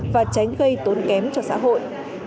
và tránh gây tốn kém cho xã hội